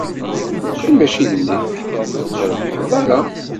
Lukan mačči d nekk, ur trebbḥeḍ ara.